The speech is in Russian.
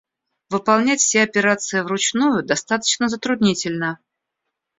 Выполнять все операции вручную достаточно затруднительно